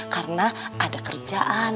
karena ada kerjaan